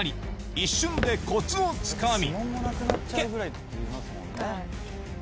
一瞬でこつをつかみ。